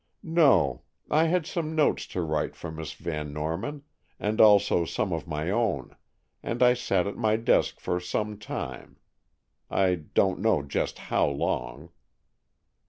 "No; I had some notes to write for Miss Van Norman, and also some of my own, and I sat at my desk for some time. I don't know just how long."